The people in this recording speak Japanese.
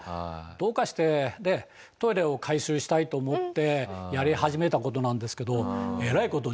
どうかしてトイレを改修したいと思ってやり始めた事なんですけど。